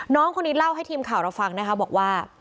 น้องคนนี้เล่าให้ทีมข่าวเราฟังนะคะบอกว่า